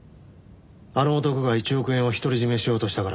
あの男が１億円を独り占めしようとしたから。